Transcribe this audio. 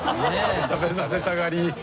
食べさせたがり。